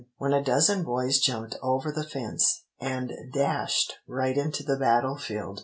when a dozen boys jumped over the fence, and dashed right into the battle field.